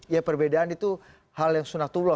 ya perbedaan itu hal hal